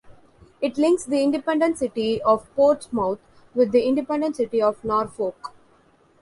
It links the independent City of Portsmouth with the independent City of Norfolk.